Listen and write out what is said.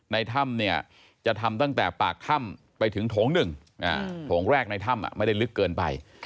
ในถ้ำเนี่ยจะทำตั้งแต่ปากถ้ำไปถึงโถง๑โถงแรกในถ้ำไม่ได้ลึกเกินไป